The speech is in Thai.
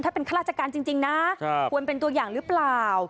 ถ้าเป็นข้าราชการจริงนะควรเป็นตัวอย่างหรือเปล่า